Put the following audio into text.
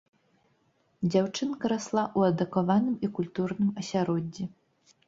Дзяўчынка расла ў адукаваным і культурным асяроддзі.